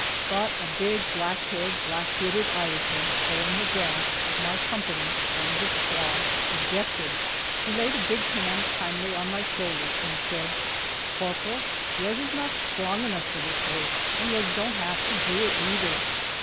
But a big, black haired, black bearded Irishman, Owen McGrath of my company, one of the squad, objected. He laid a big hand kindly on my shoulder, and said: "Carparral, yez is not sthrong enough for this worrk, and yez don't have to do it, ayether.